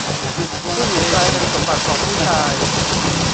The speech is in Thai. ผู้หญิงกลายเป็นสมบัติของผู้ชาย